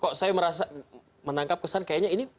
kok saya merasa menangkap kesan kayaknya ini